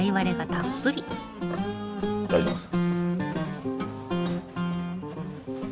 いただきます。